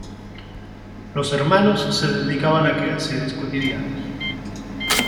Los hermanos se dedicaban a quehaceres cotidianos.